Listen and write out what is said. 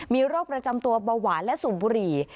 มีโรคประจำตัวเบาหวานและสูบบุหรี่